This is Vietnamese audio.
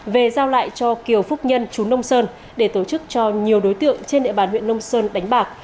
về giao lại cho kiều phúc nhân chú nông sơn để tổ chức cho nhiều đối tượng trên địa bàn huyện nông sơn đánh bạc